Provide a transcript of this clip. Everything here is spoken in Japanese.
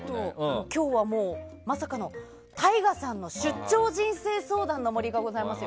今日は、まさかのＴＡＩＧＡさんの出張人生相談の森！がございますよ。